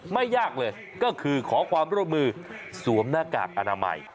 ไม่ยากเลยก็คือขอความร่วมมือสวมหน้ากากอนามัย